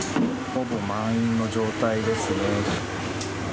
ほぼ満員の状態ですね。